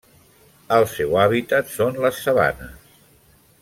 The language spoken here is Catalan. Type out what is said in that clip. El seu hàbitat són les sabanes.